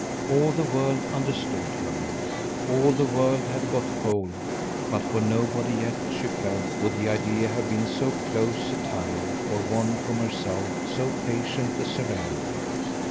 All the world understood her, all the world had got hold; but for nobody yet, she felt, would the idea have been so close a tie or won from herself so patient a surrender.